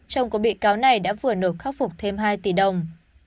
chồng của bị cáo này đã vừa nộp khắc phục thêm hai tỷ đồng